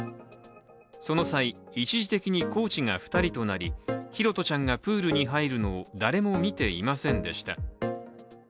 その際、一時的にコーチが２人となり拓社ちゃんがプールに入るのを誰も見ていませんでした。